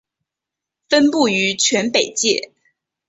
分布于全北界。